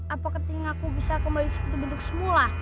apa ketinggaku bisa kembali seperti bentuk semula